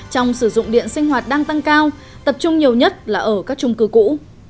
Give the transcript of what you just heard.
trong sử dụng điện sinh hoạt đang tăng cao tập trung nhiều nhất là ở các trung cư cũ